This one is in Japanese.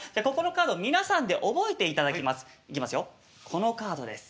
このカードです。